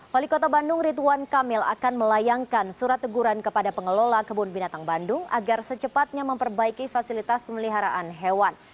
wali kota bandung ridwan kamil akan melayangkan surat teguran kepada pengelola kebun binatang bandung agar secepatnya memperbaiki fasilitas pemeliharaan hewan